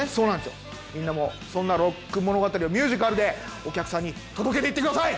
みんなもそんなロック物語をミュージカルでお客さんに届けていってください。